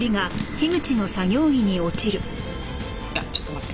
いやちょっと待って。